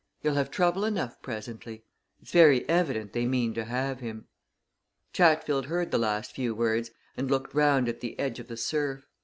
He'll have trouble enough presently. It's very evident they mean to have him." Chatfield heard the last few words and looked round at the edge of the surf.